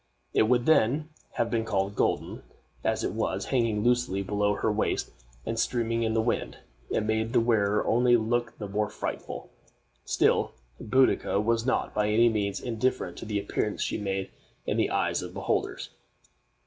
It would then have been called golden. As it was, hanging loosely below her waist and streaming in the wind, it made the wearer only look the more frightful. Still, Boadicea was not by any means indifferent to the appearance she made in the eyes of beholders.